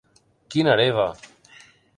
Quina hereva!